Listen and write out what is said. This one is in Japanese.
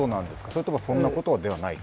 それともそんなことではない。